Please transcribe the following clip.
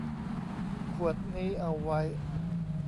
ขวดนี้เอาไว้